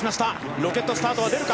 ロケットスタートが出るか？